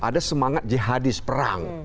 ada semangat jihadis perang